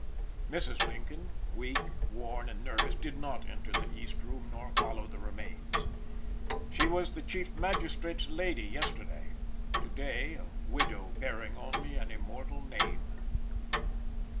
Mrs. Lincoln, weak, worn, and nervous, did not enter the East room nor follow the remains. She was the chief magistrate's lady yesterday; to day a widow bearing only an immortal name.